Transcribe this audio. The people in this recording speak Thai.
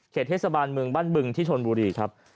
เทศบาลเมืองบ้านบึงที่ชนบุรีครับ